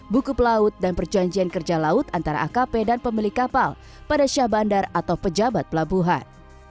buku pelaut dan perjanjian kerja laut antara akp dan pemilik kapal pada syah bandar atau pejabat pelabuhan